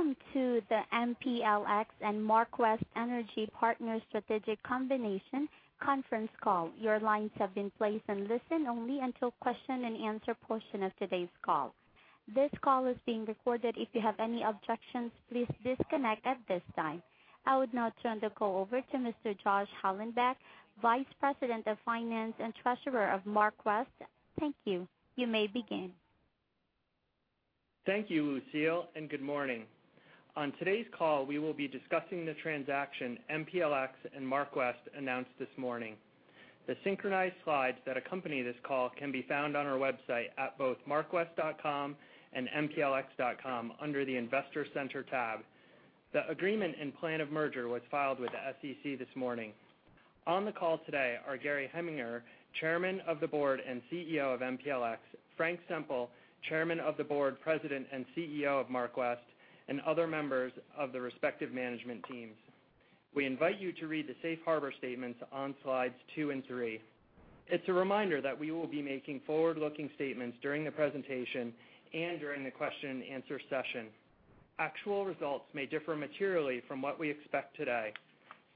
Welcome to the MPLX and MarkWest Energy Partners strategic combination conference call. Your lines have been placed on listen only until question and answer portion of today's call. This call is being recorded. If you have any objections, please disconnect at this time. I would now turn the call over to Mr. Josh Hallenbeck, Vice President of Finance and Treasurer of MarkWest. Thank you. You may begin. Thank you, Lucille, and good morning. On today's call, we will be discussing the transaction MPLX and MarkWest announced this morning. The synchronized slides that accompany this call can be found on our website at both markwest.com and mplx.com under the Investor Center tab. The agreement in plan of merger was filed with the SEC this morning. On the call today are Gary Heminger, Chairman of the Board and Chief Executive Officer of MPLX, Frank Semple, Chairman of the Board, President, and Chief Executive Officer of MarkWest, and other members of the respective management teams. We invite you to read the safe harbor statements on slides two and three. It's a reminder that we will be making forward-looking statements during the presentation and during the question and answer session. Actual results may differ materially from what we expect today.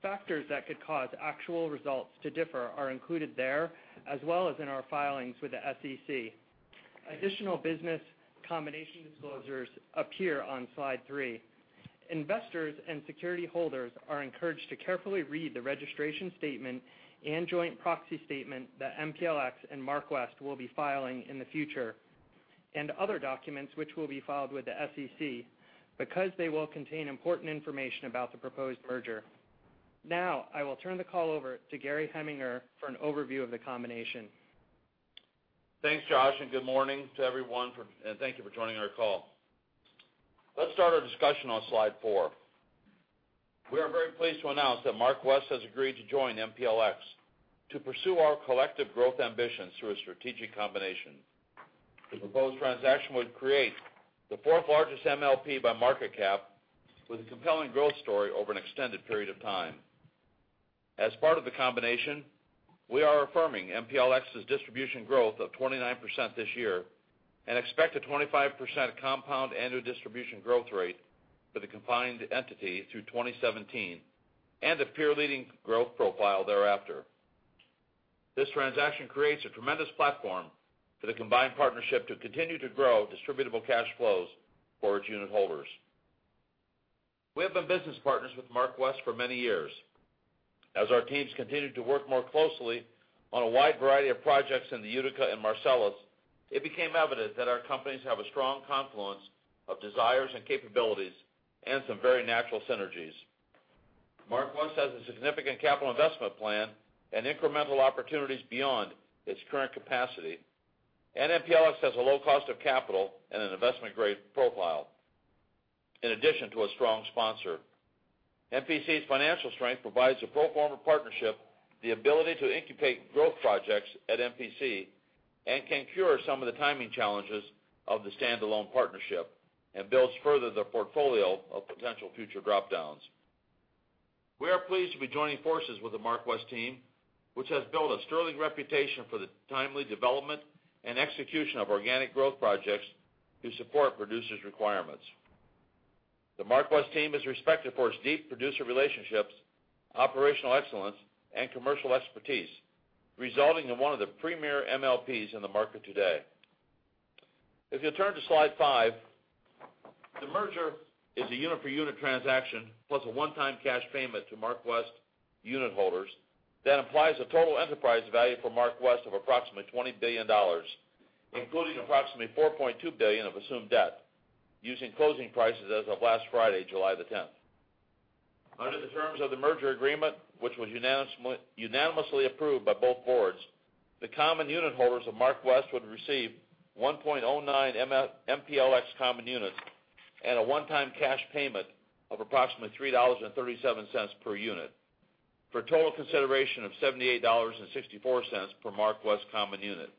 Factors that could cause actual results to differ are included there, as well as in our filings with the SEC. Additional business combination disclosures appear on slide three. Investors and security holders are encouraged to carefully read the registration statement and joint proxy statement that MPLX and MarkWest will be filing in the future, and other documents which will be filed with the SEC, because they will contain important information about the proposed merger. I will turn the call over to Gary Heminger for an overview of the combination. Thanks, Josh, good morning to everyone, thank you for joining our call. Let's start our discussion on slide four. We are very pleased to announce that MarkWest has agreed to join MPLX to pursue our collective growth ambitions through a strategic combination. The proposed transaction would create the fourth largest MLP by market cap with a compelling growth story over an extended period of time. As part of the combination, we are affirming MPLX's distribution growth of 29% this year and expect a 25% compound annual distribution growth rate for the combined entity through 2017, and a peer-leading growth profile thereafter. This transaction creates a tremendous platform for the combined partnership to continue to grow distributable cash flows for its unit holders. We have been business partners with MarkWest for many years. As our teams continued to work more closely on a wide variety of projects in the Utica and Marcellus, it became evident that our companies have a strong confluence of desires and capabilities and some very natural synergies. MarkWest has a significant capital investment plan and incremental opportunities beyond its current capacity. MPLX has a low cost of capital and an investment-grade profile, in addition to a strong sponsor. MPC's financial strength provides the pro forma partnership the ability to incubate growth projects at MPC and can cure some of the timing challenges of the standalone partnership and builds further the portfolio of potential future drop-downs. We are pleased to be joining forces with the MarkWest team, which has built a sterling reputation for the timely development and execution of organic growth projects to support producers' requirements. The MarkWest team is respected for its deep producer relationships, operational excellence, and commercial expertise, resulting in one of the premier MLPs in the market today. If you'll turn to slide five, the merger is a unit per unit transaction plus a one-time cash payment to MarkWest unit holders that implies a total enterprise value for MarkWest of approximately $20 billion, including approximately $4.2 billion of assumed debt using closing prices as of last Friday, July 10th. Under the terms of the merger agreement, which was unanimously approved by both boards, the common unit holders of MarkWest would receive 1.09 MPLX common units and a one-time cash payment of approximately $3.37 per unit, for a total consideration of $78.64 per MarkWest common unit,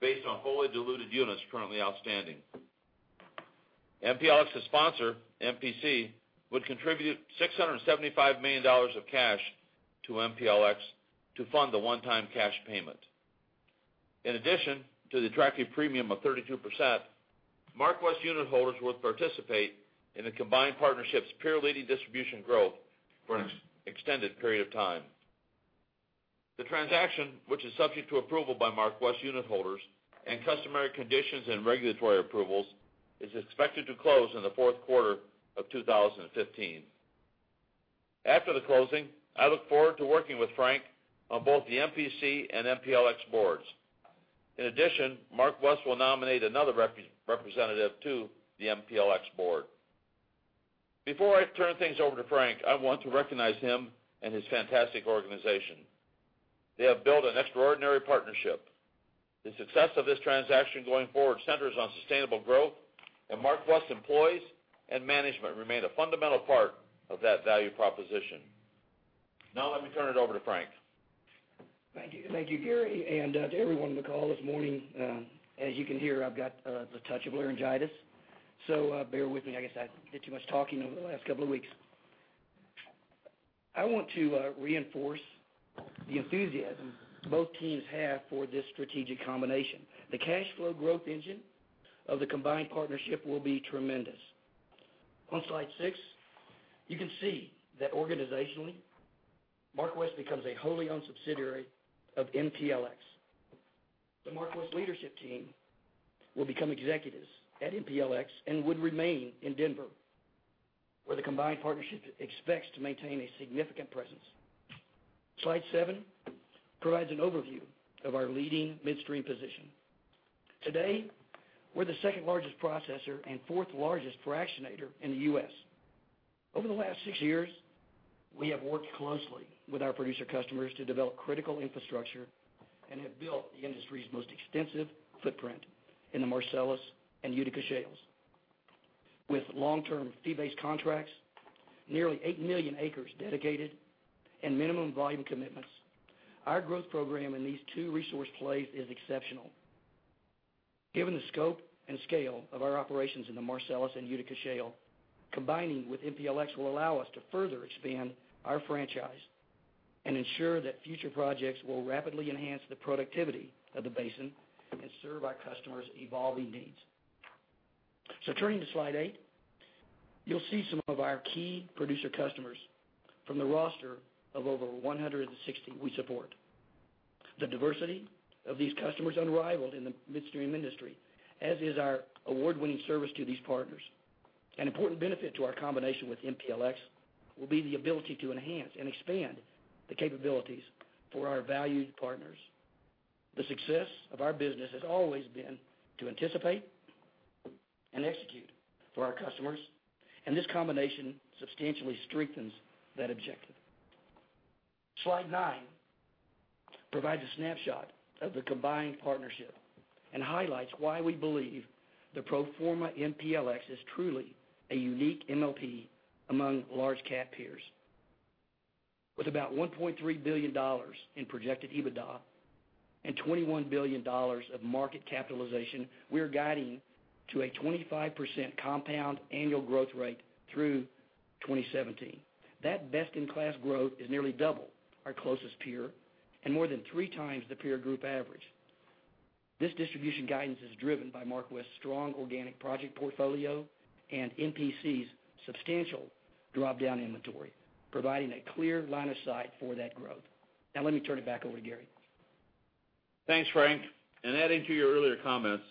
based on wholly diluted units currently outstanding. MPLX's sponsor, MPC, would contribute $675 million of cash to MPLX to fund the one-time cash payment. In addition to the attractive premium of 32%, MarkWest unit holders would participate in the combined partnership's peer-leading distribution growth for an extended period of time. The transaction, which is subject to approval by MarkWest unit holders and customary conditions and regulatory approvals, is expected to close in the fourth quarter of 2015. After the closing, I look forward to working with Frank on both the MPC and MPLX boards. In addition, MarkWest will nominate another representative to the MPLX board. Before I turn things over to Frank, I want to recognize him and his fantastic organization. They have built an extraordinary partnership. The success of this transaction going forward centers on sustainable growth, MarkWest employees and management remain a fundamental part of that value proposition. Let me turn it over to Frank. Thank you, Gary, to everyone on the call this morning. As you can hear, I've got the touch of laryngitis, bear with me. I guess I did too much talking over the last couple of weeks. I want to reinforce the enthusiasm both teams have for this strategic combination. The cash flow growth engine of the combined partnership will be tremendous. On slide six, you can see that organizationally, MarkWest becomes a wholly owned subsidiary of MPLX. The MarkWest leadership team will become executives at MPLX and would remain in Denver, where the combined partnership expects to maintain a significant presence. Slide seven provides an overview of our leading midstream position. Today, we're the second largest processor and fourth largest fractionator in the U.S. Over the last six years, we have worked closely with our producer customers to develop critical infrastructure and have built the industry's most extensive footprint in the Marcellus and Utica shales. With long-term fee-based contracts, nearly 8 million acres dedicated, and minimum volume commitments, our growth program in these two resource plays is exceptional. Given the scope and scale of our operations in the Marcellus and Utica shale, combining with MPLX will allow us to further expand our franchise and ensure that future projects will rapidly enhance the productivity of the basin and serve our customers' evolving needs. Turning to slide eight, you'll see some of our key producer customers from the roster of over 160 we support. The diversity of these customers is unrivaled in the midstream industry, as is our award-winning service to these partners. An important benefit to our combination with MPLX will be the ability to enhance and expand the capabilities for our valued partners. The success of our business has always been to anticipate and execute for our customers, this combination substantially strengthens that objective. Slide nine provides a snapshot of the combined partnership and highlights why we believe the pro forma MPLX is truly a unique MLP among large cap peers. With about $1.3 billion in projected EBITDA and $21 billion of market capitalization, we're guiding to a 25% compound annual growth rate through 2017. That best-in-class growth is nearly double our closest peer and more than three times the peer group average. This distribution guidance is driven by MarkWest's strong organic project portfolio and MPC's substantial drop-down inventory, providing a clear line of sight for that growth. Let me turn it back over to Gary. Thanks, Frank. Adding to your earlier comments,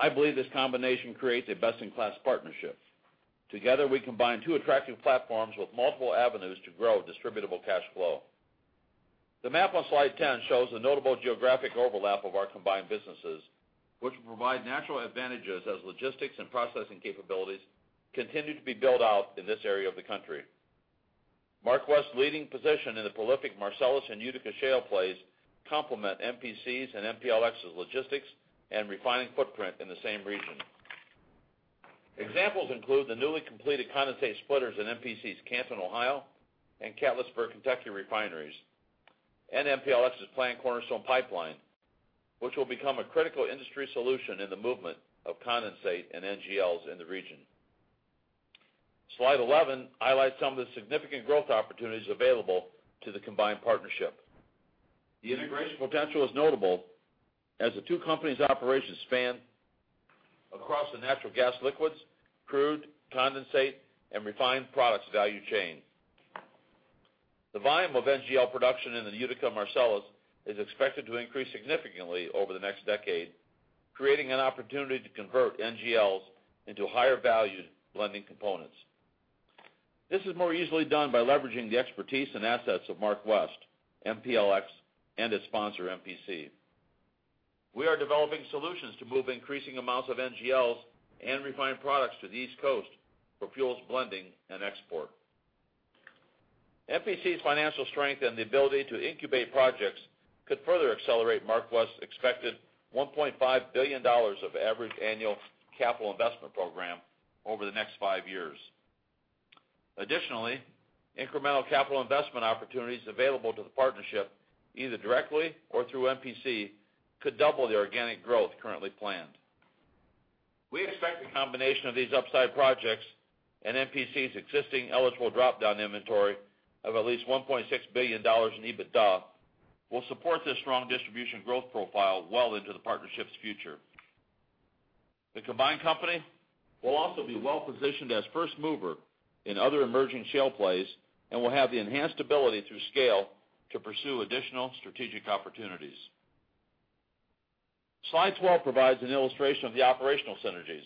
I believe this combination creates a best-in-class partnership. Together, we combine two attractive platforms with multiple avenues to grow distributable cash flow. The map on slide 10 shows the notable geographic overlap of our combined businesses, which provide natural advantages as logistics and processing capabilities continue to be built out in this area of the country. MarkWest's leading position in the prolific Marcellus and Utica shale plays complement MPC's and MPLX's logistics and refining footprint in the same region. Examples include the newly completed condensate splitters in MPC's Canton, Ohio, and Catlettsburg, Kentucky refineries, and MPLX's planned Cornerstone Pipeline, which will become a critical industry solution in the movement of condensate and NGLs in the region. Slide 11 highlights some of the significant growth opportunities available to the combined partnership. The integration potential is notable as the two companies' operations span across the Natural Gas Liquids, crude, condensate, and refined products value chain. The volume of NGL production in the Utica Marcellus is expected to increase significantly over the next decade, creating an opportunity to convert NGLs into higher valued blending components. This is more easily done by leveraging the expertise and assets of MarkWest, MPLX, and its sponsor, MPC. We are developing solutions to move increasing amounts of NGLs and refined products to the East Coast for fuels blending and export. MPC's financial strength and the ability to incubate projects could further accelerate MarkWest's expected $1.5 billion of average annual capital investment program over the next five years. Additionally, incremental capital investment opportunities available to the partnership, either directly or through MPC, could double the organic growth currently planned. We expect the combination of these upside projects and MPC's existing eligible drop-down inventory of at least $1.6 billion in EBITDA will support this strong distribution growth profile well into the partnership's future. The combined company will also be well-positioned as first mover in other emerging shale plays and will have the enhanced ability through scale to pursue additional strategic opportunities. Slide 12 provides an illustration of the operational synergies.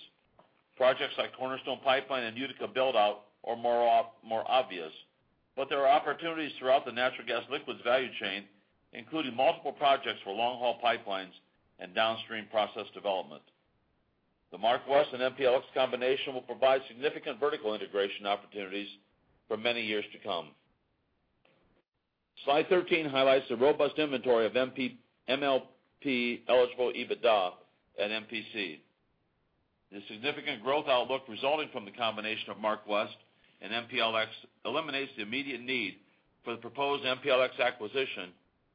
Projects like Cornerstone Pipeline and Utica build-out are more obvious, but there are opportunities throughout the Natural Gas Liquids value chain, including multiple projects for long-haul pipelines and downstream process development. The MarkWest and MPLX combination will provide significant vertical integration opportunities for many years to come. Slide 13 highlights the robust inventory of MLP-eligible EBITDA at MPC. The significant growth outlook resulting from the combination of MarkWest and MPLX eliminates the immediate need for the proposed MPLX acquisition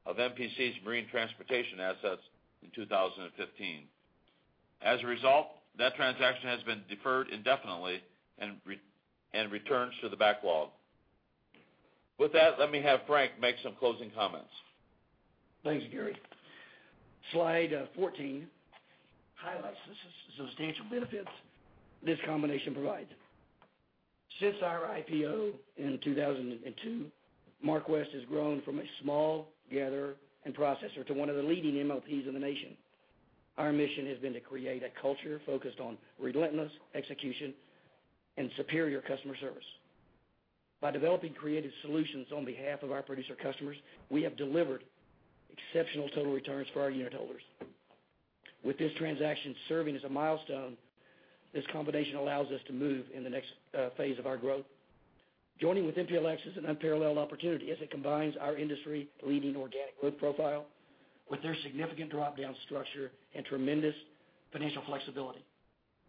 of MPC's marine transportation assets in 2015. As a result, that transaction has been deferred indefinitely and returns to the backlog. With that, let me have Frank make some closing comments. Thanks, Gary. Slide 14 highlights the substantial benefits this combination provides. Since our IPO in 2002, MarkWest has grown from a small gatherer and processor to one of the leading MLPs in the nation. Our mission has been to create a culture focused on relentless execution and superior customer service. By developing creative solutions on behalf of our producer customers, we have delivered exceptional total returns for our unitholders. With this transaction serving as a milestone, this combination allows us to move in the next phase of our growth. Joining with MPLX is an unparalleled opportunity as it combines our industry-leading organic growth profile with their significant drop-down structure and tremendous financial flexibility.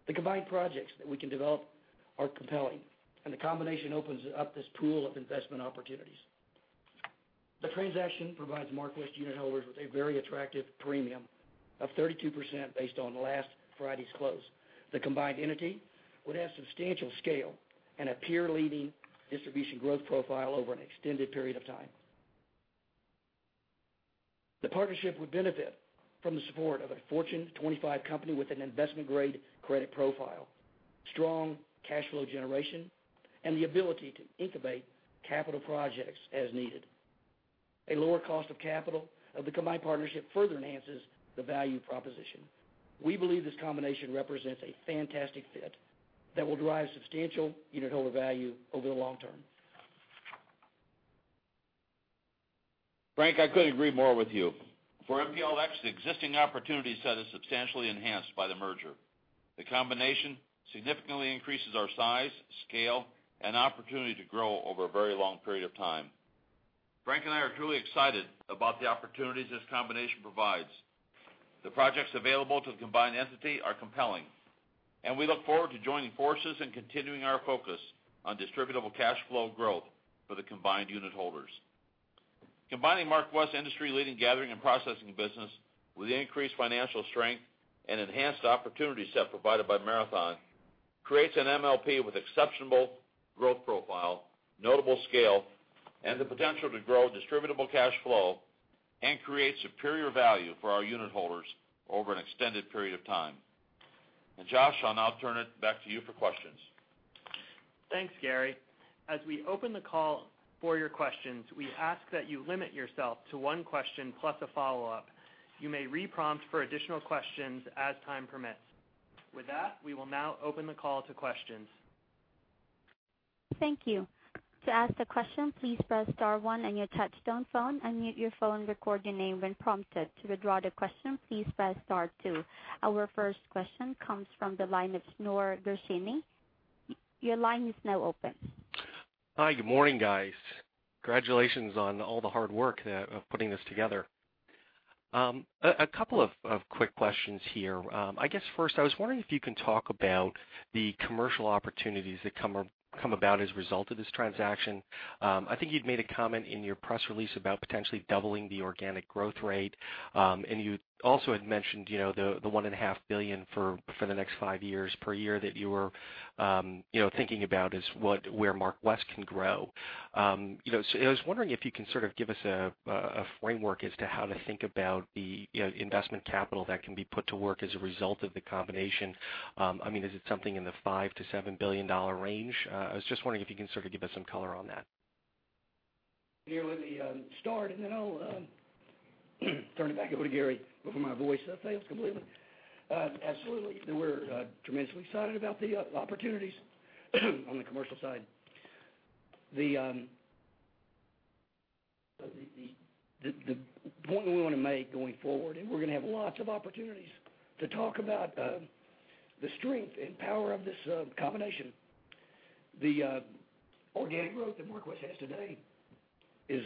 The combined projects that we can develop are compelling, and the combination opens up this pool of investment opportunities. The transaction provides MarkWest unitholders with a very attractive premium of 32% based on last Friday's close. The combined entity would have substantial scale and a peer-leading distribution growth profile over an extended period of time. The partnership would benefit from the support of a Fortune 25 company with an investment-grade credit profile, strong cash flow generation, and the ability to incubate capital projects as needed. A lower cost of capital of the combined partnership further enhances the value proposition. We believe this combination represents a fantastic fit that will drive substantial unitholder value over the long term. Frank, I couldn't agree more with you. For MPLX, the existing opportunity set is substantially enhanced by the merger. The combination significantly increases our size, scale, and opportunity to grow over a very long period of time. Frank and I are truly excited about the opportunities this combination provides. The projects available to the combined entity are compelling, and we look forward to joining forces and continuing our focus on distributable cash flow growth for the combined unitholders. Combining MarkWest's industry-leading gathering and processing business with the increased financial strength and enhanced opportunity set provided by Marathon creates an MLP with exceptional growth profile, notable scale, and the potential to grow distributable cash flow and create superior value for our unitholders over an extended period of time. Josh, I'll now turn it back to you for questions. Thanks, Gary. As we open the call for your questions, we ask that you limit yourself to one question plus a follow-up. You may re-prompt for additional questions as time permits. With that, we will now open the call to questions. Thank you. To ask the question, please press *1 on your touchtone phone, unmute your phone, record your name when prompted. To withdraw the question, please press *2. Our first question comes from the line of Manav Gupta. Your line is now open. Hi, good morning, guys. Congratulations on all the hard work of putting this together. A couple of quick questions here. I guess first, I was wondering if you can talk about the commercial opportunities that come about as a result of this transaction. I think you'd made a comment in your press release about potentially doubling the organic growth rate. You also had mentioned the one and a half billion for the next five years per year that you were thinking about is where MarkWest can grow. I was wondering if you can sort of give us a framework as to how to think about the investment capital that can be put to work as a result of the combination. Is it something in the $5 billion-$7 billion range? I was just wondering if you can sort of give us some color on that. Noor, let me start, and then I'll turn it back over to Gary, before my voice fails completely. Absolutely. We're tremendously excited about the opportunities on the commercial side. The point we want to make going forward, and we're going to have lots of opportunities to talk about the strength and power of this combination. The organic growth that MarkWest has today is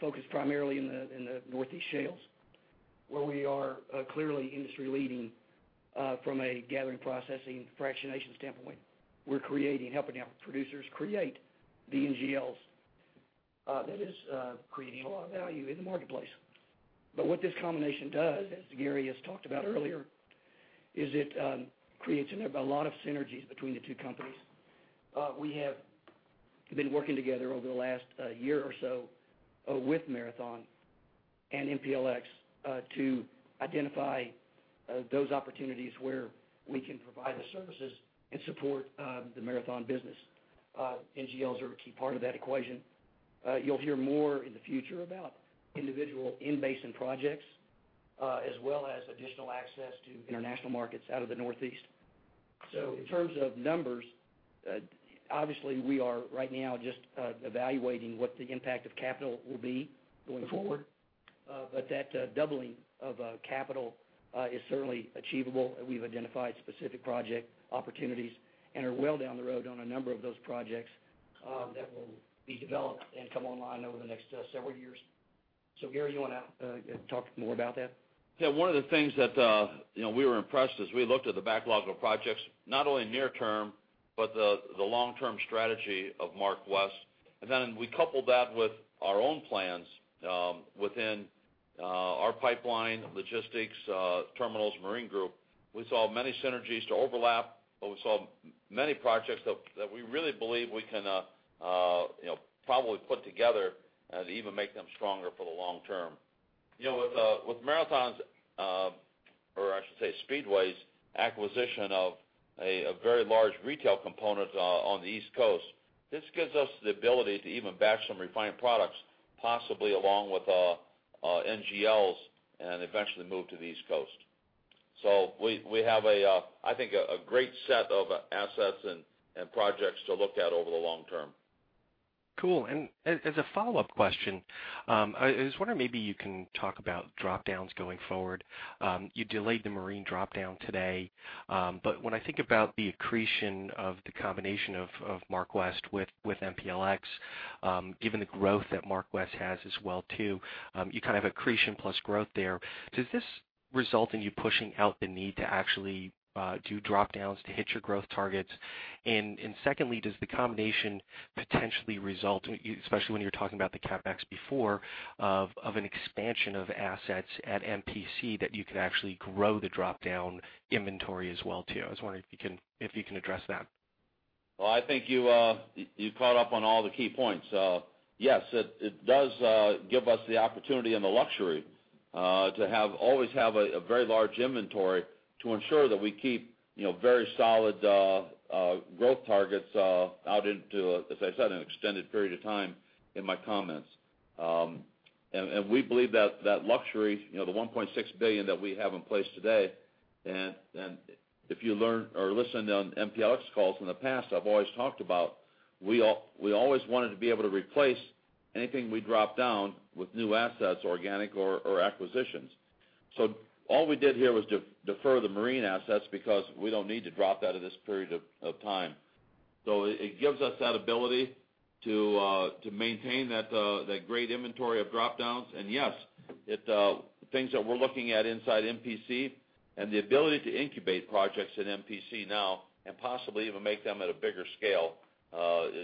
focused primarily in the Northeast shales, where we are clearly industry-leading from a gathering, processing, fractionation standpoint. We're creating, helping our producers create the NGLs. That is creating a lot of value in the marketplace. What this combination does, as Gary has talked about earlier, is it creates a lot of synergies between the two companies. We have been working together over the last year or so with Marathon and MPLX to identify those opportunities where we can provide the services and support the Marathon business. NGLs are a key part of that equation. You'll hear more in the future about individual in-basin projects as well as additional access to international markets out of the Northeast. In terms of numbers, obviously, we are right now just evaluating what the impact of capital will be going forward. That doubling of capital is certainly achievable, and we've identified specific project opportunities and are well down the road on a number of those projects that will be developed and come online over the next several years. Gary, you want to talk more about that? Yeah, one of the things that we were impressed as we looked at the backlog of projects, not only near term. The long-term strategy of MarkWest, and then we couple that with our own plans within our pipeline logistics terminals marine group. We saw many synergies to overlap, but we saw many projects that we really believe we can probably put together to even make them stronger for the long term. With Marathon's, or I should say Speedway's, acquisition of a very large retail component on the East Coast, this gives us the ability to even batch some refined products, possibly along with NGLs, and eventually move to the East Coast. We have, I think, a great set of assets and projects to look at over the long term. Cool. As a follow-up question, I was wondering maybe you can talk about drop-downs going forward. You delayed the marine drop-down today. When I think about the accretion of the combination of MarkWest with MPLX, given the growth that MarkWest has as well too, you kind of have accretion plus growth there. Does this result in you pushing out the need to actually do drop-downs to hit your growth targets? Secondly, does the combination potentially result, especially when you're talking about the CapEx before, of an expansion of assets at MPC that you could actually grow the drop-down inventory as well too? I was wondering if you can address that. Well, I think you caught up on all the key points. Yes, it does give us the opportunity and the luxury to always have a very large inventory to ensure that we keep very solid growth targets out into, as I said, an extended period of time in my comments. We believe that luxury, the $1.6 billion that we have in place today, and if you learn or listen on MPLX calls from the past, I've always talked about, we always wanted to be able to replace anything we drop down with new assets, organic or acquisitions. All we did here was defer the marine assets because we don't need to drop that in this period of time. It gives us that ability to maintain that great inventory of drop-downs. Yes, things that we're looking at inside MPC and the ability to incubate projects at MPC now and possibly even make them at a bigger scale,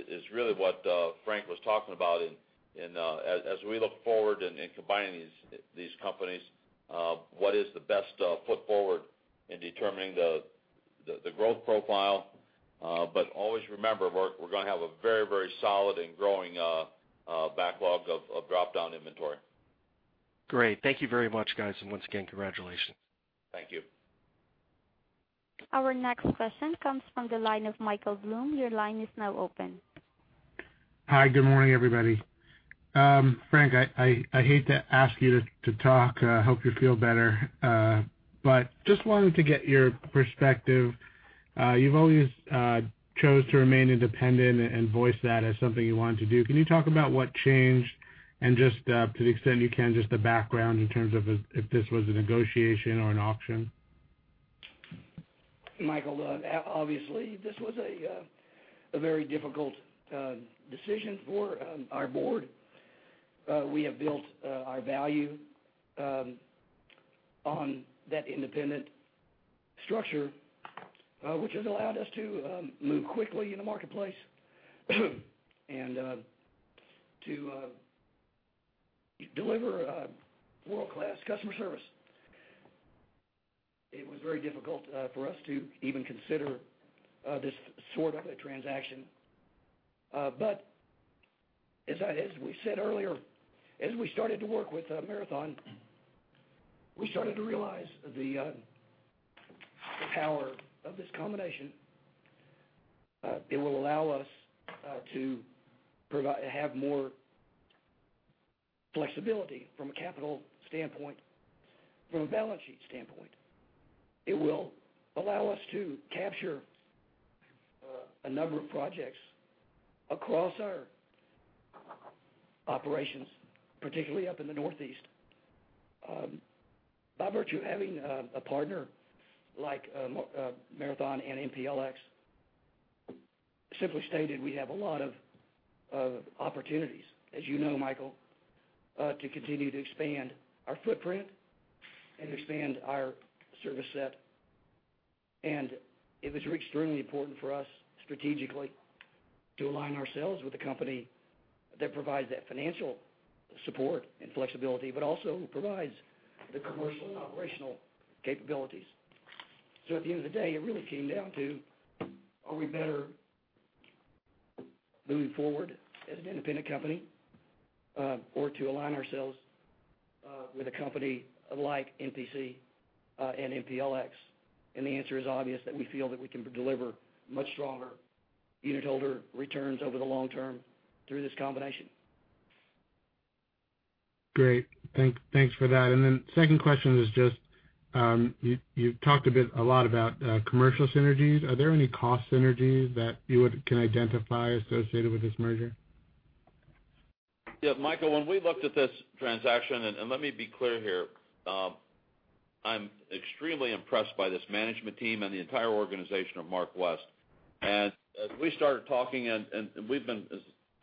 is really what Frank was talking about. As we look forward in combining these companies, what is the best foot forward in determining the growth profile? Always remember, we're going to have a very, very solid and growing backlog of drop-down inventory. Great. Thank you very much, guys. Once again, congratulations. Thank you. Our next question comes from the line of Michael Blum. Your line is now open. Hi. Good morning, everybody. Frank, I hate to ask you to talk. I hope you feel better. Just wanted to get your perspective. You've always chose to remain independent and voice that as something you wanted to do. Can you talk about what changed and just, to the extent you can, just the background in terms of if this was a negotiation or an auction? Michael, obviously, this was a very difficult decision for our board. We have built our value on that independent structure, which has allowed us to move quickly in the marketplace and to deliver world-class customer service. It was very difficult for us to even consider this sort of a transaction. As we said earlier, as we started to work with Marathon, we started to realize the power of this combination. It will allow us to have more flexibility from a capital standpoint, from a balance sheet standpoint. It will allow us to capture a number of projects across our operations, particularly up in the Northeast. By virtue of having a partner like Marathon and MPLX, simply stated, we have a lot of opportunities, as you know, Michael, to continue to expand our footprint and expand our service set. It was extremely important for us strategically to align ourselves with a company that provides that financial support and flexibility, but also provides the commercial and operational capabilities. At the end of the day, it really came down to, are we better moving forward as an independent company, or to align ourselves with a company like MPC and MPLX? The answer is obvious that we feel that we can deliver much stronger unit holder returns over the long term through this combination. Great. Thanks for that. Second question is just, you've talked a lot about commercial synergies. Are there any cost synergies that you can identify associated with this merger? Michael, when we looked at this transaction, let me be clear here, I'm extremely impressed by this management team and the entire organization of MarkWest. As we started talking, and we've been,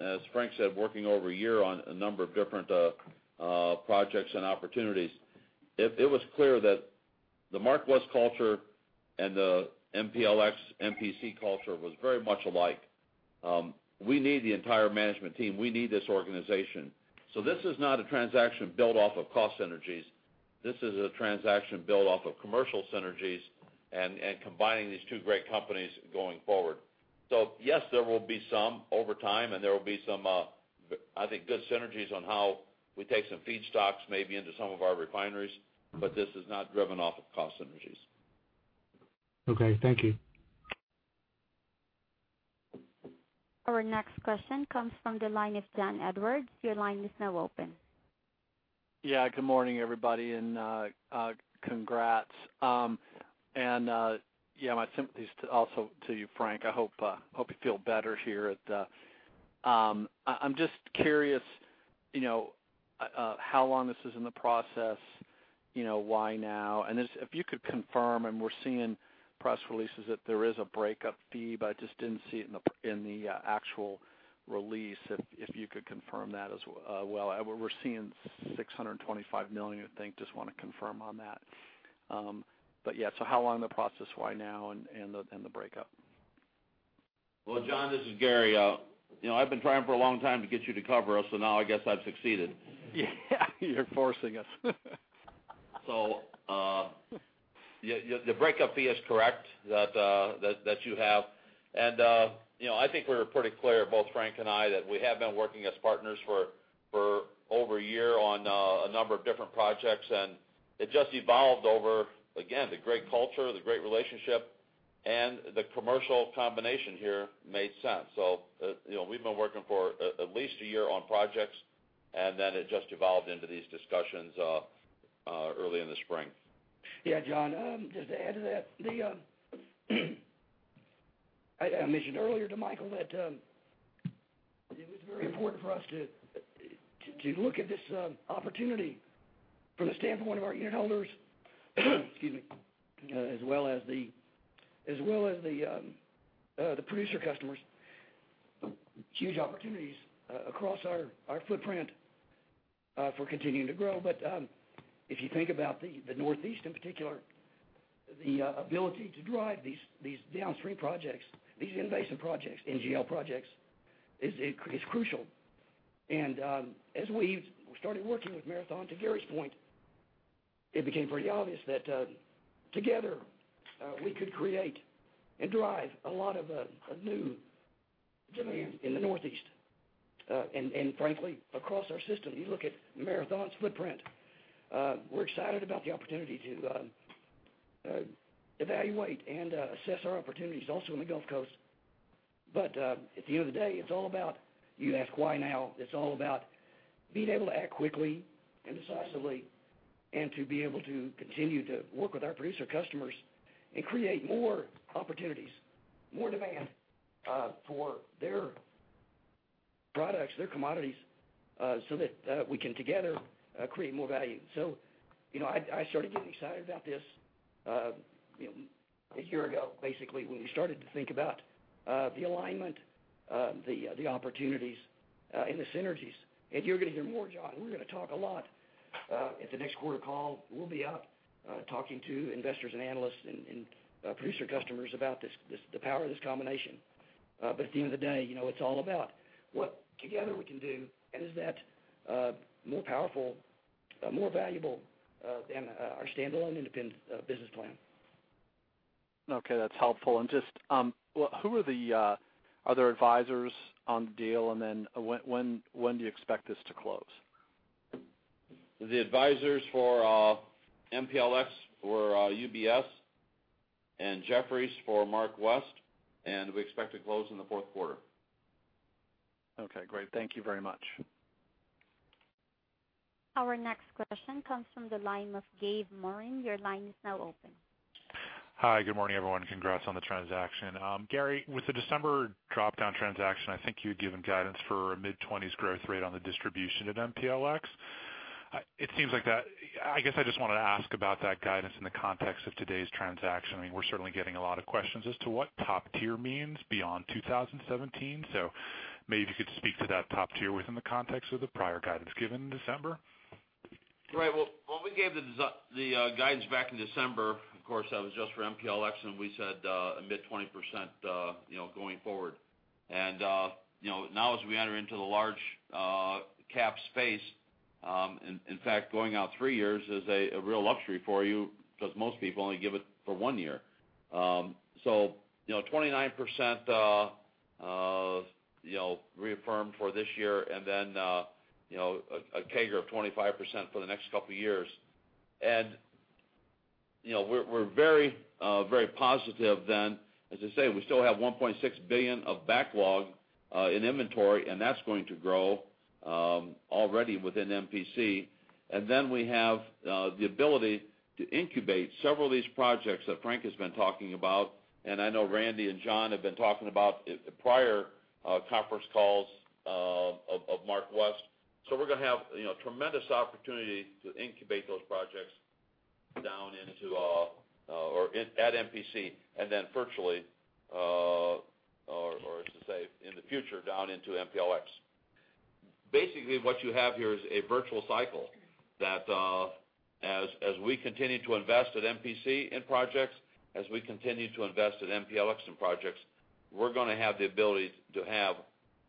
as Frank said, working over a year on a number of different projects and opportunities. It was clear that the MarkWest culture and the MPLX, MPC culture was very much alike. We need the entire management team. We need this organization. This is not a transaction built off of cost synergies. This is a transaction built off of commercial synergies and combining these two great companies going forward. Yes, there will be some over time, there will be some, I think, good synergies on how we take some feedstocks maybe into some of our refineries. This is not driven off of cost synergies. Thank you. Our next question comes from the line of John Edwards. Your line is now open. Yeah. Good morning, everybody, and congrats. Yeah, my sympathies also to you, Frank. I hope you feel better here. I'm just curious how long this is in the process, why now? If you could confirm, and we're seeing press releases that there is a breakup fee, but I just didn't see it in the actual release, if you could confirm that as well. We're seeing $625 million, I think. Just want to confirm on that. Yeah, so how long the process, why now, and the breakup. Well, John, this is Gary. I've been trying for a long time to get you to cover us, so now I guess I've succeeded. Yeah. You're forcing us. The breakup fee is correct, that you have. I think we were pretty clear, both Frank and I, that we have been working as partners for over a year on a number of different projects. It just evolved over, again, the great culture, the great relationship, and the commercial combination here made sense. We've been working for at least a year on projects, then it just evolved into these discussions early in the spring. Yeah, John. Just to add to that, I mentioned earlier to Michael that it was very important for us to look at this opportunity from the standpoint of one of our unitholders, excuse me, as well as the producer customers. Huge opportunities across our footprint for continuing to grow. If you think about the Northeast in particular, the ability to drive these downstream projects, these in-basin projects, NGL projects, it's crucial. As we started working with Marathon, to Gary's point, it became pretty obvious that together we could create and drive a lot of new demand in the Northeast. Frankly, across our system. You look at Marathon's footprint. We're excited about the opportunity to evaluate and assess our opportunities also in the Gulf Coast. At the end of the day, it's all about. You ask why now? It's all about being able to act quickly and decisively and to be able to continue to work with our producer customers and create more opportunities, more demand for their products, their commodities, so that we can together create more value. I started getting excited about this a year ago, basically, when we started to think about the alignment, the opportunities, and the synergies. You're going to hear more, John. We're going to talk a lot at the next quarter call. We'll be out talking to investors and analysts and producer customers about the power of this combination. At the end of the day, it's all about what together we can do, and is that more powerful, more valuable than our standalone independent business plan. Okay. That's helpful. Just who are the other advisors on the deal, and then when do you expect this to close? The advisors for MPLX were UBS, Jefferies for MarkWest, we expect to close in the fourth quarter. Okay, great. Thank you very much. Our next question comes from the line of Gabe Morin. Your line is now open. Hi. Good morning, everyone. Congrats on the transaction. Gary, with the December drop-down transaction, I think you had given guidance for a mid-20s growth rate on the distribution at MPLX. I guess I just wanted to ask about that guidance in the context of today's transaction. I mean, we're certainly getting a lot of questions as to what top tier means beyond 2017. Maybe you could speak to that top tier within the context of the prior guidance given in December. Well, when we gave the guidance back in December, of course, that was just for MPLX, and we said a mid-20%, going forward. Now as we enter into the large cap space, in fact, going out three years is a real luxury for you because most people only give it for one year. 29% reaffirmed for this year, then a CAGR of 25% for the next couple of years. We're very positive then. As I say, we still have $1.6 billion of backlog in inventory, and that's going to grow already within MPC. Then we have the ability to incubate several of these projects that Frank has been talking about, and I know Randy and John have been talking about at prior conference calls of MarkWest. We're going to have tremendous opportunity to incubate those projects down into or at MPC, then virtually, or as to say, in the future, down into MPLX. Basically, what you have here is a virtual cycle that as we continue to invest at MPC in projects, as we continue to invest at MPLX in projects, we're going to have the ability to have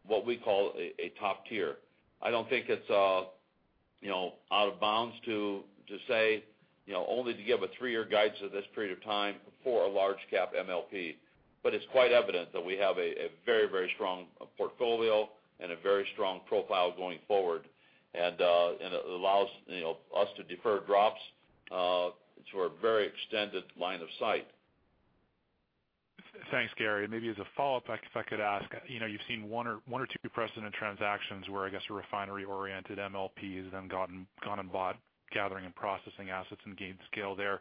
what we call a top tier. I don't think it's out of bounds to say, only to give a three-year guide to this period of time for a large cap MLP. It's quite evident that we have a very strong portfolio and a very strong profile going forward, and it allows us to defer drops to a very extended line of sight. Thanks, Gary. Maybe as a follow-up, if I could ask. You've seen one or two precedent transactions where, I guess, a refinery-oriented MLP has gone and bought gathering and processing assets and gained scale there.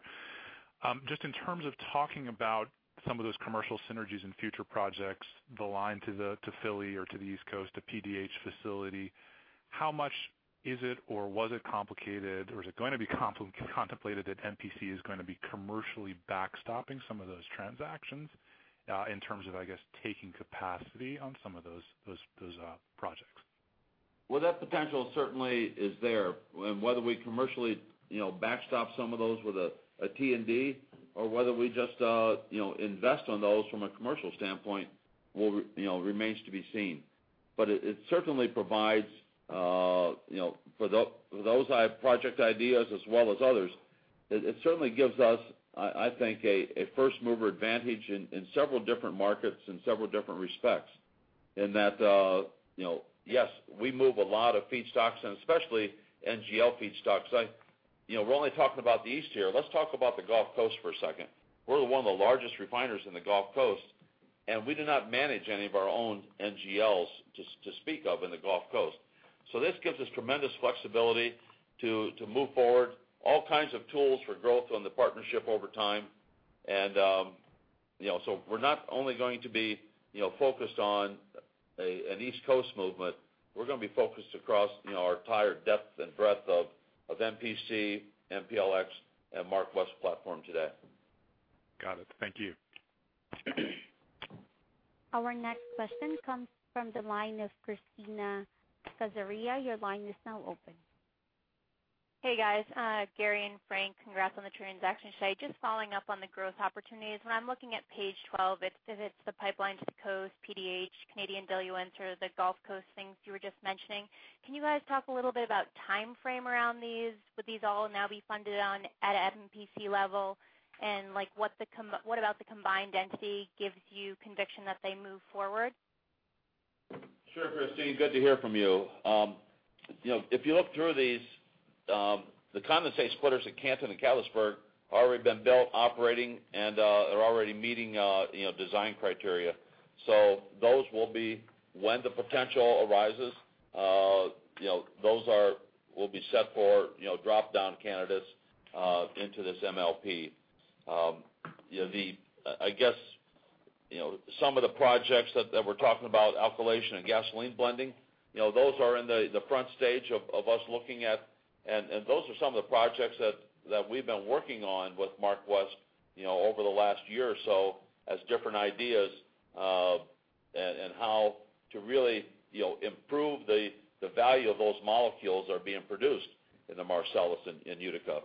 Just in terms of talking about some of those commercial synergies in future projects, the line to Philly or to the East Coast, a PDH facility, how much is it or was it complicated, or is it going to be contemplated that MPC is going to be commercially backstopping some of those transactions in terms of, I guess, taking capacity on some of those projects? Well, that potential certainly is there. Whether we commercially backstop some of those with a T&D or whether we just invest on those from a commercial standpoint remains to be seen. It certainly provides, for those project ideas as well as others, it certainly gives us, I think, a first-mover advantage in several different markets, in several different respects. In that, yes, we move a lot of feedstocks especially NGL feedstocks. We're only talking about the East here. Let's talk about the Gulf Coast for a second. We're one of the largest refiners in the Gulf Coast, and we do not manage any of our own NGLs to speak of in the Gulf Coast. This gives us tremendous flexibility to move forward, all kinds of tools for growth on the partnership over time. We're not only going to be focused on an East Coast movement, we're going to be focused across our entire depth and breadth of MPC, MPLX, and MarkWest platform today. Got it. Thank you. Our next question comes from the line of Kristina Kazarian. Your line is now open. Hey, guys. Gary and Frank, congrats on the transaction today. Just following up on the growth opportunities. When I'm looking at page 12, it pivots the pipeline to the coast, PDH, Canadian diluent, or the Gulf Coast things you were just mentioning. Can you guys talk a little bit about timeframe around these? Would these all now be funded on at MPC level? What about the combined entity gives you conviction that they move forward? Sure, Kristina, good to hear from you. If you look through these, the condensate splitters at Canton and Catlettsburg already been built, operating, and are already meeting design criteria. Those will be when the potential arises. Those will be set for drop-down candidates into this MLP. I guess some of the projects that we're talking about, alkylation and gasoline blending, those are in the front stage of us looking at, and those are some of the projects that we've been working on with MarkWest over the last year or so as different ideas and how to really improve the value of those molecules that are being produced in the Marcellus and Utica.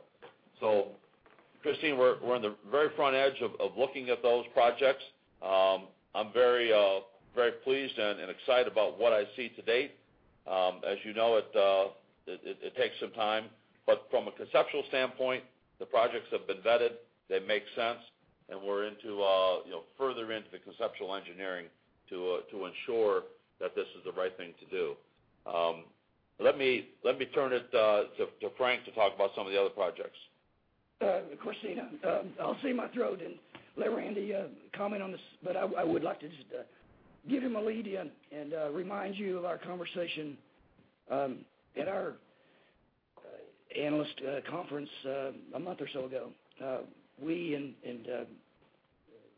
Kristina, we're on the very front edge of looking at those projects. I'm very pleased and excited about what I see to date. As you know, it takes some time. From a conceptual standpoint, the projects have been vetted, they make sense, and we're further into the conceptual engineering to ensure that this is the right thing to do. Let me turn it to Frank to talk about some of the other projects. Kristina, I'll save my throat and let Randy comment on this. I would like to just give you a lead-in and remind you of our conversation at our analyst conference a month or so ago.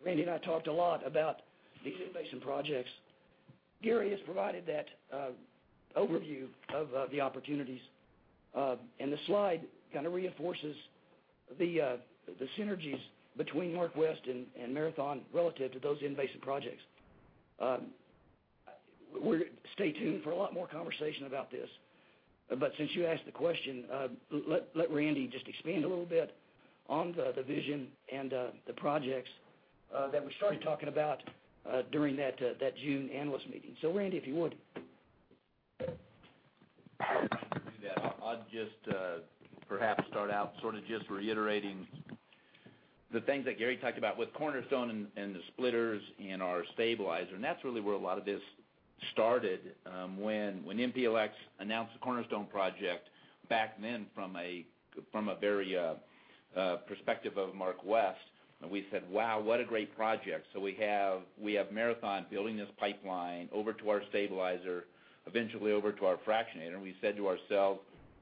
Randy and I talked a lot about these in-basin projects. Gary has provided that overview of the opportunities. The slide kind of reinforces the synergies between MarkWest and Marathon Petroleum Corporation relative to those in-basin projects. Stay tuned for a lot more conversation about this. Since you asked the question, let Randy just expand a little bit on the vision and the projects that we started talking about during that June analyst meeting. Randy, if you would. I can do that. I'd just perhaps start out sort of just reiterating the things that Gary talked about with Cornerstone Pipeline and the splitters and our stabilizer. That's really where a lot of this started. When MPLX announced the Cornerstone Pipeline project back then from a perspective of MarkWest, we said, "Wow, what a great project." We have Marathon Petroleum Corporation building this pipeline over to our stabilizer, eventually over to our fractionator, and we said to ourselves,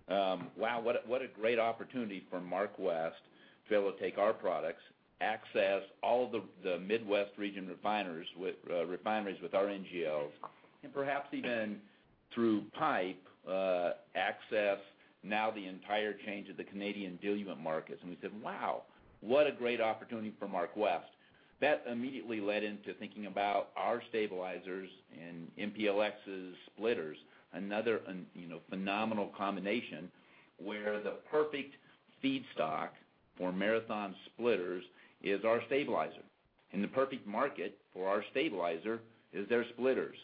"Wow, what a great opportunity for MarkWest to be able to take our products, access all of the Midwest region refineries with our NGLs, and perhaps even through pipe access, now the entire change of the Canadian diluent markets. We said, "Wow, what a great opportunity for MarkWest." That immediately led into thinking about our stabilizers and MPLX's splitters. Another phenomenal combination, where the perfect feedstock for Marathon splitters is our stabilizer, and the perfect market for our stabilizer is their splitters.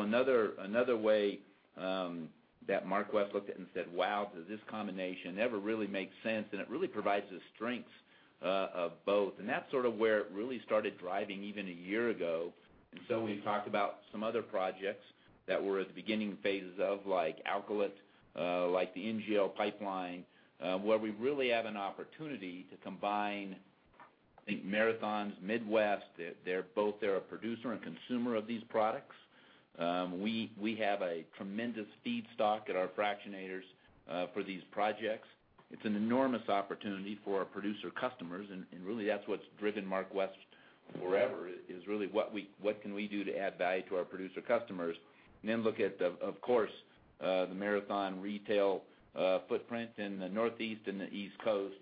Another way that MarkWest looked at it and said, "Wow, does this combination ever really make sense?" It really provides the strengths of both. That's sort of where it really started driving even a year ago. We talked about some other projects that we're at the beginning phases of, like Alky, like the NGL pipeline, where we really have an opportunity to combine, I think Marathon's Midwest. They're a producer and consumer of these products. We have a tremendous feedstock at our fractionators for these projects. It's an enormous opportunity for our producer customers, really that's what's driven MarkWest forever, is really what can we do to add value to our producer customers? Look at, of course, the Marathon retail footprint in the Northeast and the East Coast.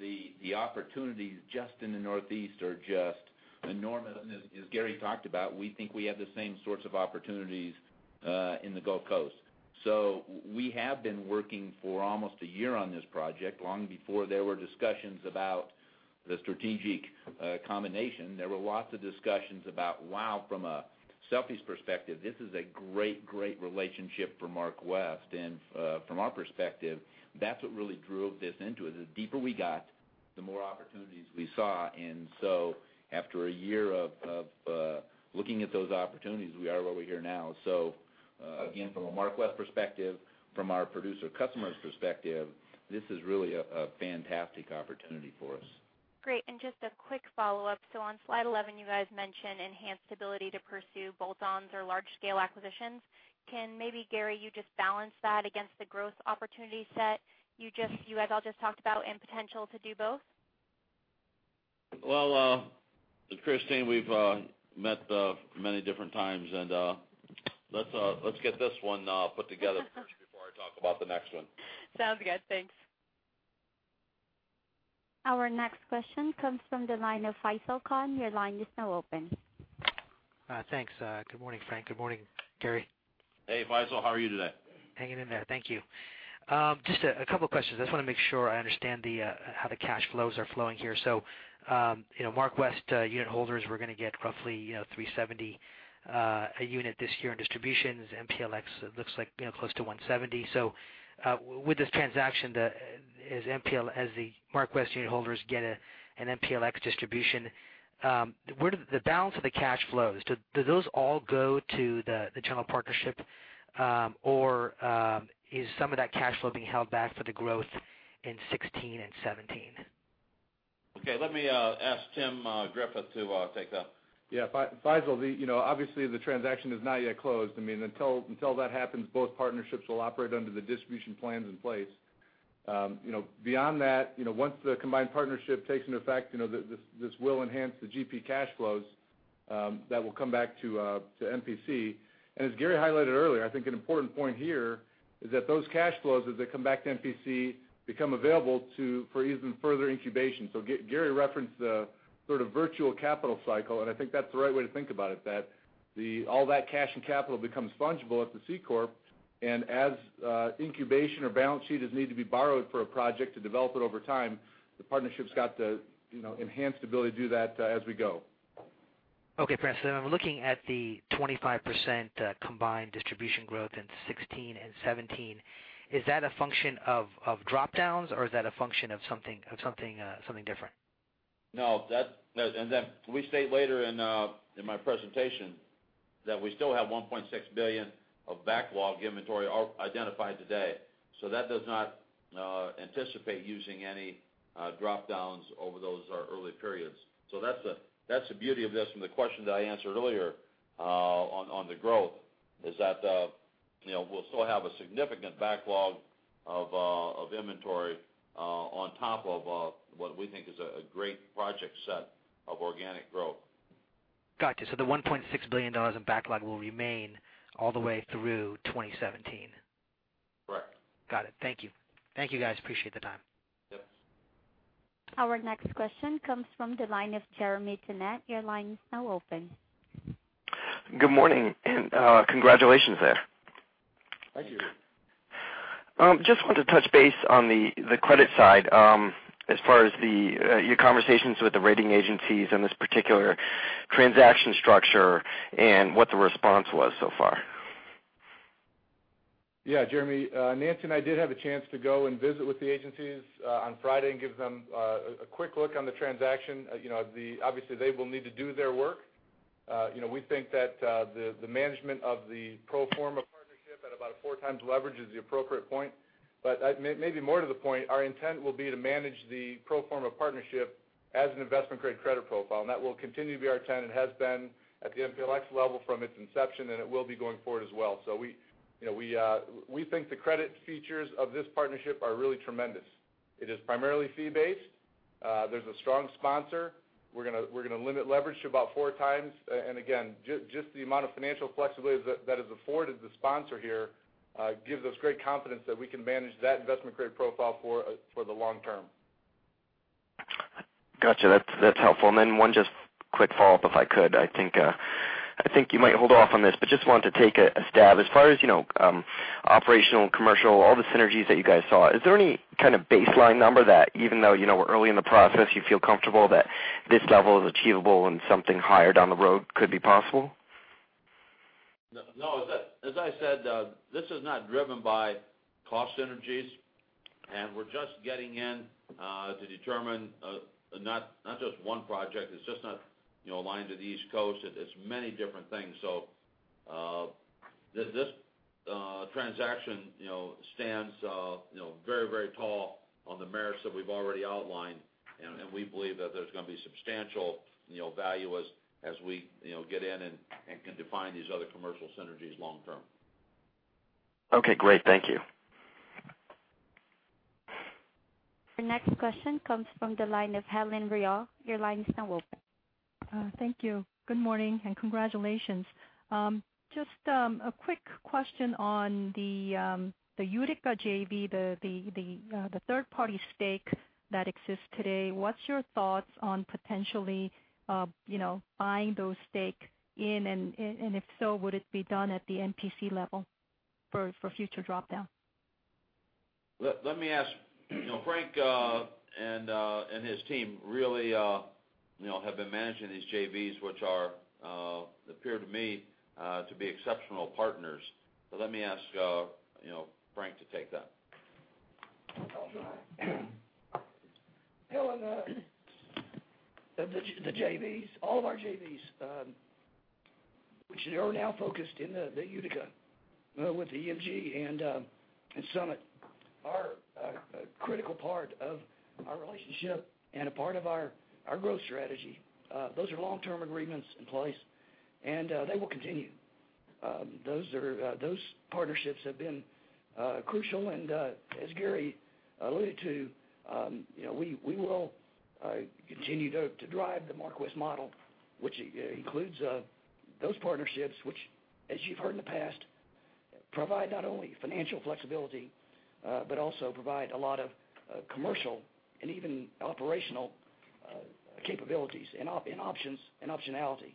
The opportunities just in the Northeast are just enormous. As Gary talked about, we think we have the same sorts of opportunities in the Gulf Coast. We have been working for almost a year on this project, long before there were discussions about the strategic combination. There were lots of discussions about, wow, from a Southeast perspective, this is a great relationship for MarkWest. From our perspective, that's what really drove this into it. The deeper we got, the more opportunities we saw. After a year of looking at those opportunities, we are where we are now. Again, from a MarkWest perspective, from our producer customer's perspective, this is really a fantastic opportunity for us. Great. Just a quick follow-up. On slide 11, you guys mentioned enhanced ability to pursue bolt-ons or large-scale acquisitions. Can maybe, Gary, you just balance that against the growth opportunity set you guys all just talked about and potential to do both? Well, Kristina, we've met many different times, let's get this one put together first before I talk about the next one. Sounds good. Thanks. Our next question comes from the line of Faisel Khan. Your line is now open. Thanks. Good morning, Frank. Good morning, Gary. Hey, Faisel. How are you today? Hanging in there. Thank you. Just a couple questions. I just want to make sure I understand how the cash flows are flowing here. MarkWest unitholders were going to get roughly $370 a unit this year in distributions. MPLX looks like close to $170. With this transaction, as the MarkWest unitholders get an MPLX distribution, the balance of the cash flows, do those all go to the general partnership? Or is some of that cash flow being held back for the growth in 2016 and 2017? Let me ask Tim Griffith to take that. Faisel, obviously, the transaction is not yet closed. Until that happens, both partnerships will operate under the distribution plans in place. Beyond that, once the combined partnership takes into effect, this will enhance the GP cash flows that will come back to MPC. As Gary highlighted earlier, I think an important point here is that those cash flows, as they come back to MPC, become available for even further incubation. Gary referenced the sort of virtual capital cycle, and I think that's the right way to think about it, that all that cash and capital becomes fungible at the C corp. As incubation or balance sheet is needed to be borrowed for a project to develop it over time, the partnership's got the enhanced ability to do that as we go. Frank. I'm looking at the 25% combined distribution growth in 2016 and 2017. Is that a function of drop-downs, or is that a function of something different? No. We state later in my presentation that we still have $1.6 billion of backlog inventory identified today. That does not anticipate using any drop-downs over those early periods. That's the beauty of this from the question that I answered earlier on the growth, is that we'll still have a significant backlog of inventory on top of what we think is a great project set of organic growth. Got you. The $1.6 billion in backlog will remain all the way through 2017. Correct. Got it. Thank you. Thank you, guys. Appreciate the time. Yep. Our next question comes from the line of Jeremy Tonet. Your line is now open. Good morning, congratulations there. Thank you. Thank you. Just wanted to touch base on the credit side as far as your conversations with the rating agencies on this particular transaction structure and what the response was so far. Yeah, Jeremy. Nancy and I did have a chance to go and visit with the agencies on Friday and give them a quick look on the transaction. Obviously, they will need to do their work. We think that the management of the pro forma partnership at about a 4x leverage is the appropriate point. Maybe more to the point, our intent will be to manage the pro forma partnership as an investment-grade credit profile, and that will continue to be our intent. It has been at the MPLX level from its inception, and it will be going forward as well. We think the credit features of this partnership are really tremendous. It is primarily fee-based. There's a strong sponsor. We're going to limit leverage to about 4x. Again, just the amount of financial flexibility that is afforded the sponsor here gives us great confidence that we can manage that investment-grade profile for the long term. Got you. That's helpful. Then one just quick follow-up, if I could. I think you might hold off on this, but just wanted to take a stab. As far as operational, commercial, all the synergies that you guys saw, is there any kind of baseline number that even though you know we're early in the process, you feel comfortable that this level is achievable and something higher down the road could be possible? No. As I said, this is not driven by cost synergies. We're just getting in to determine not just one project. It's just not lined to the East Coast. It's many different things. This transaction stands very tall on the merits that we've already outlined, and we believe that there's going to be substantial value as we get in and can define these other commercial synergies long term. Okay, great. Thank you. The next question comes from the line of Helen Brielle. Your line is now open. Thank you. Good morning, and congratulations. Just a quick question on the Utica JV, the third-party stake that exists today. What's your thoughts on potentially buying those stakes in, and if so, would it be done at the MPC level for future drop-down? Let me ask. Frank and his team really have been managing these JVs, which appear to me to be exceptional partners. Let me ask Frank to take that. I'll try. Helen, the JVs, all of our JVs, which are now focused in the Utica with EMG and Summit, are a critical part of our relationship and a part of our growth strategy. Those are long-term agreements in place. They will continue. Those partnerships have been crucial, and as Gary alluded to, we will continue to drive the MarkWest model, which includes those partnerships, which, as you've heard in the past, provide not only financial flexibility, but also provide a lot of commercial and even operational capabilities and optionality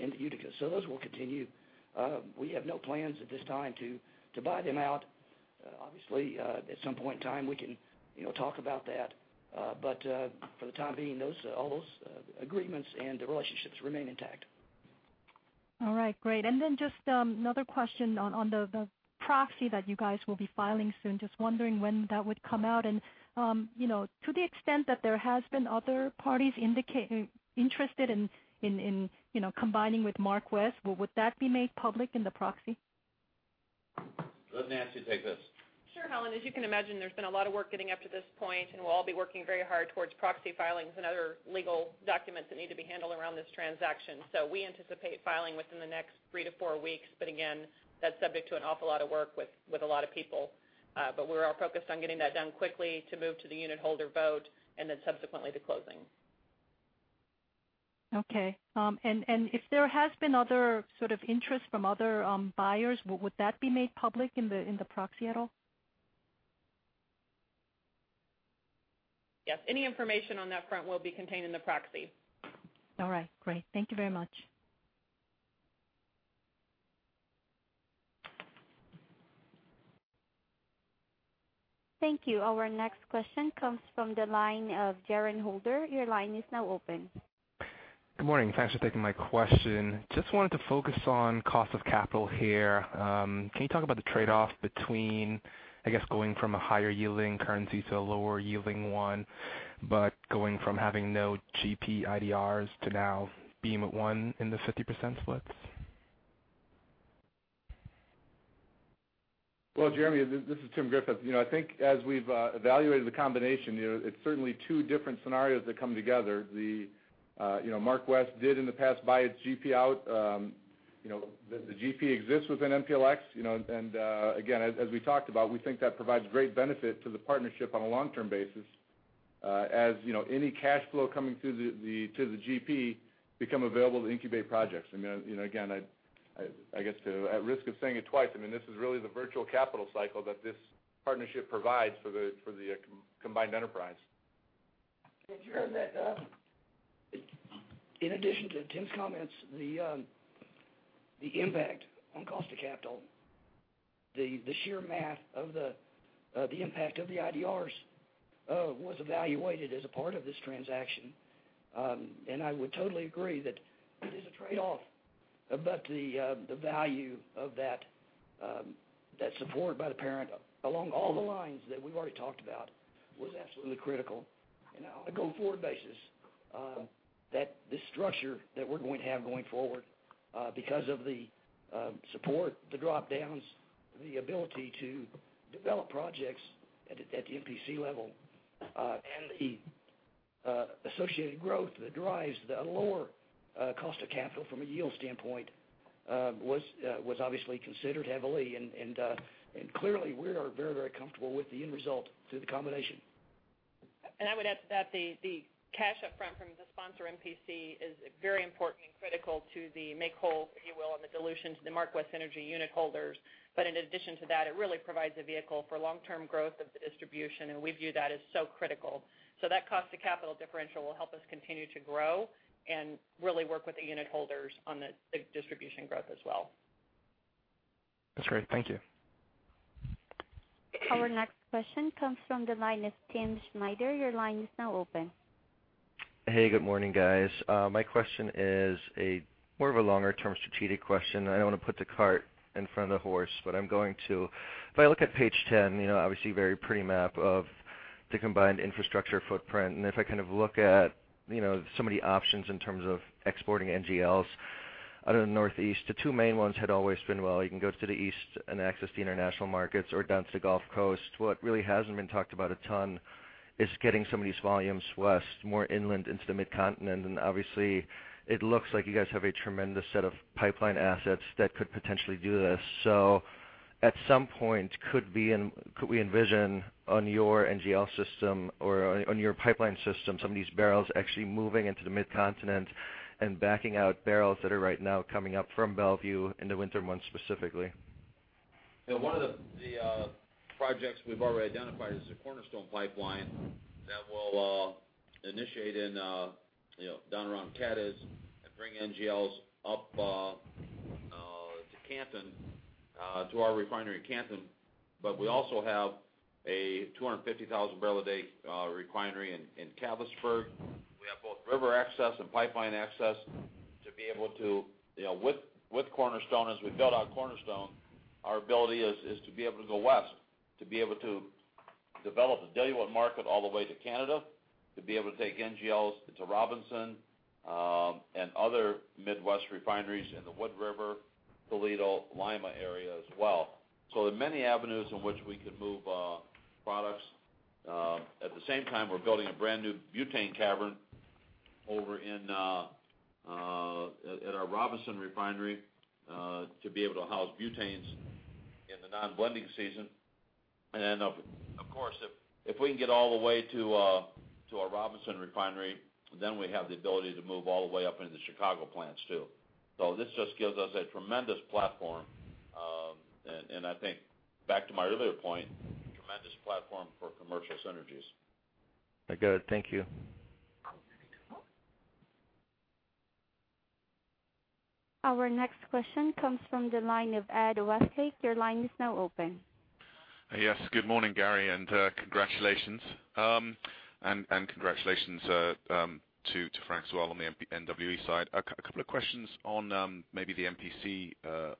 in the Utica. Those will continue. We have no plans at this time to buy them out. Obviously, at some point in time, we can talk about that. For the time being, all those agreements and the relationships remain intact. All right, great. Then just another question on the proxy that you guys will be filing soon. Just wondering when that would come out, and to the extent that there has been other parties interested in combining with MarkWest, would that be made public in the proxy? Let Nancy take this. Sure, Helen. As you can imagine, there's been a lot of work getting up to this point. We'll all be working very hard towards proxy filings and other legal documents that need to be handled around this transaction. We anticipate filing within the next three to four weeks. Again, that's subject to an awful lot of work with a lot of people. We are all focused on getting that done quickly to move to the unitholder vote, and then subsequently to closing. Okay. If there has been other sort of interest from other buyers, would that be made public in the proxy at all? Yes. Any information on that front will be contained in the proxy. All right. Great. Thank you very much. Thank you. Our next question comes from the line of Jaron Holder. Your line is now open. Good morning. Thanks for taking my question. Just wanted to focus on cost of capital here. Can you talk about the trade-off between, I guess, going from a higher-yielding currency to a lower-yielding one, but going from having no GP IDRs to now being at one in the 50% splits? Well, Jeremy, this is Tim Griffith. I think as we've evaluated the combination, it's certainly two different scenarios that come together. MarkWest did in the past buy its GP out. The GP exists within MPLX, and again, as we talked about, we think that provides great benefit to the partnership on a long-term basis. As any cash flow coming to the GP become available to incubate projects. Again, I guess at risk of saying it twice, this is really the virtual capital cycle that this partnership provides for the combined enterprise. Jaron, in addition to Tim's comments, the impact on cost of capital, the sheer math of the impact of the IDRs was evaluated as a part of this transaction. I would totally agree that it is a trade-off, but the value of that support by the parent, along all the lines that we've already talked about, was absolutely critical. On a going-forward basis, this structure that we're going to have going forward because of the support, the drop-downs, the ability to develop projects at the MPC level, and the associated growth that drives the lower cost of capital from a yield standpoint was obviously considered heavily. Clearly, we are very, very comfortable with the end result through the combination. I would add to that, the cash upfront from the sponsor MPC is very important and critical to the make whole, if you will, on the dilution to the MarkWest Energy unit holders. In addition to that, it really provides a vehicle for long-term growth of the distribution, and we view that as so critical. That cost of capital differential will help us continue to grow and really work with the unit holders on the distribution growth as well. That's great. Thank you. Our next question comes from the line of Tim Schneider. Your line is now open. Hey, good morning, guys. My question is more of a longer-term strategic question. I don't want to put the cart in front of the horse, but I'm going to. If I look at page 10, obviously, very pretty map of the combined infrastructure footprint. If I look at some of the options in terms of exporting NGLs out of the Northeast, the two main ones had always been, well, you can go to the east and access the international markets or down to the Gulf Coast. What really hasn't been talked about a ton is getting some of these volumes west, more inland into the Mid-Continent, obviously, it looks like you guys have a tremendous set of pipeline assets that could potentially do this. Could we envision on your NGL system or on your pipeline system, some of these barrels actually moving into the Mid-Continent and backing out barrels that are right now coming up from Mont Belvieu in the winter months specifically? One of the projects we've already identified is the Cornerstone Pipeline that will initiate down around Cadiz and bring NGLs up to our refinery in Canton. We also have a 250,000-barrel-a-day refinery in Catlettsburg. We have both river access and pipeline access to be able to, with Cornerstone, as we build out Cornerstone, our ability is to be able to go west, to be able to develop a Delaware market all the way to Canada, to be able to take NGLs into Robinson, and other Midwest refineries in the Wood River, Toledo, Lima area as well. There are many avenues in which we can move products. At the same time, we're building a brand new butane cavern over at our Robinson Refinery, to be able to house butanes in the non-blending season. Of course, if we can get all the way to our Robinson Refinery, then we have the ability to move all the way up into the Chicago plants, too. This just gives us a tremendous platform, and I think back to my earlier point, a tremendous platform for commercial synergies. Good. Thank you. Our next question comes from the line of Ed Westlake. Your line is now open. Yes. Good morning, Gary, and congratulations. Congratulations to Frank as well on the MWE side. A couple of questions on maybe the MPC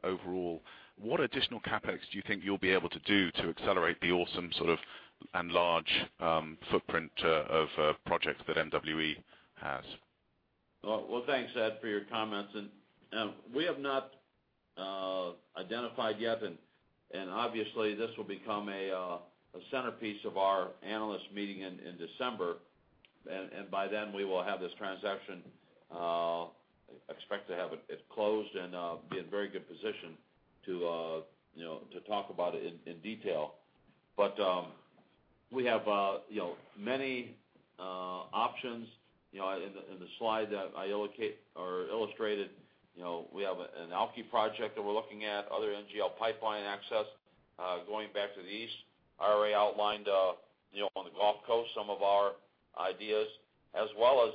overall. What additional CapEx do you think you'll be able to do to accelerate the awesome sort of enlarge footprint of projects that MWE has? Well, thanks, Ed, for your comments. We have not identified yet, and obviously, this will become a centerpiece of our analyst meeting in December. By then, we will have this transaction, expect to have it closed and be in very good position to talk about it in detail. We have many options. In the slide that I illustrated, we have an Alky project that we're looking at, other NGL pipeline access going back to the east. Ira outlined on the Gulf Coast some of our ideas, as well as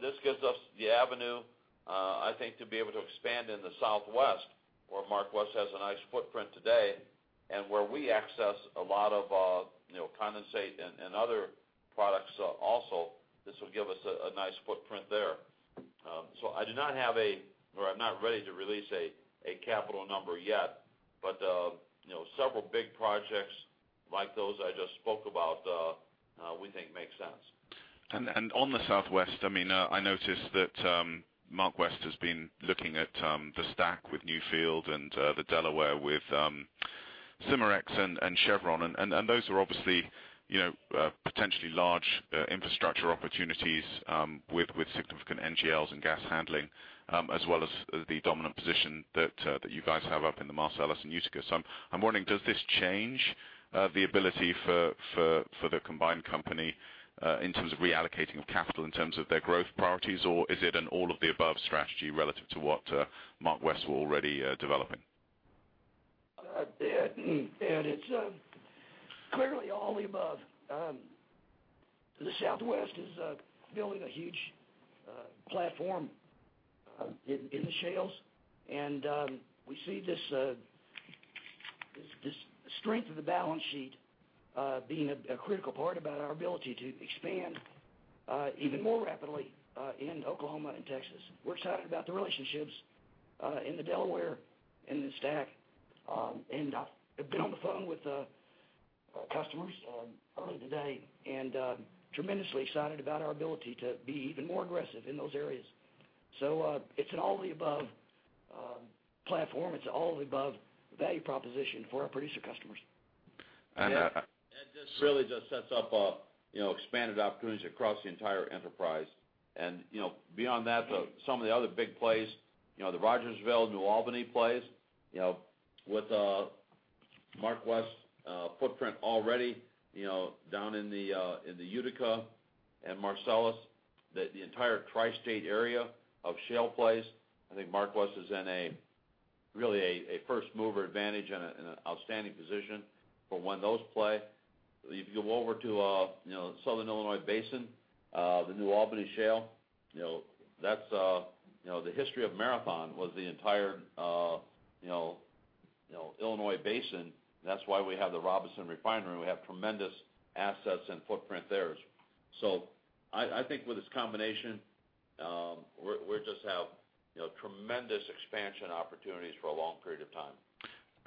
this gives us the avenue, I think, to be able to expand in the Southwest, where MarkWest has a nice footprint today, and where we access a lot of condensate and other products also. This will give us a nice footprint there. I do not have a, or I'm not ready to release a capital number yet. Several big projects like those I just spoke about, we think make sense. On the Southwest, I noticed that MarkWest has been looking at the STACK with Newfield and the Delaware with Cimarex and Chevron. Those are obviously potentially large infrastructure opportunities with significant NGLs and gas handling, as well as the dominant position that you guys have up in the Marcellus and Utica. I'm wondering, does this change the ability for the combined company in terms of reallocating capital, in terms of their growth priorities? Or is it an all of the above strategy relative to what MarkWest were already developing? Ed, it's clearly all of the above. The Southwest is building a huge platform in the shales, we see this strength of the balance sheet being a critical part about our ability to expand even more rapidly in Oklahoma and Texas. We're excited about the relationships in the Delaware and the STACK, I've been on the phone with customers earlier today and tremendously excited about our ability to be even more aggressive in those areas. It's an all of the above platform. It's an all of the above value proposition for our producer customers. That really just sets up expanded opportunities across the entire enterprise. Beyond that, some of the other big plays, the Rogersville, New Albany plays, with MarkWest footprint already down in the Utica and Marcellus, the entire tri-state area of shale plays. I think MarkWest is in really a first-mover advantage and an outstanding position for when those play. If you go over to Southern Illinois Basin, the New Albany Shale, the history of Marathon was the entire Illinois Basin. That's why we have the Robinson Refinery. We have tremendous assets and footprint there. I think with this combination, we'll just have tremendous expansion opportunities for a long period of time.